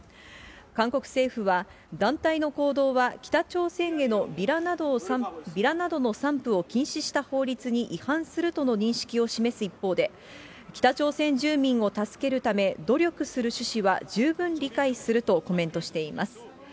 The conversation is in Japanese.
韓国政府は、団体の行動は北朝鮮へのビラなどの散布を禁止した法律に違反するとの認識を示す一方で、北朝鮮住民を助けるため、努力する趣旨は十分理解するとコメントしています。